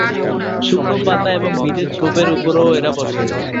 শুকনো পাতা এবং ভিজে ছোপ এর উপরও এরা বসে।